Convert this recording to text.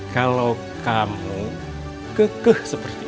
kalau kamu kekeh seperti ini